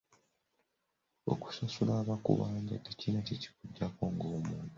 Okusasula abakubanja tekirina ky’ekikugyako ng’omuntu.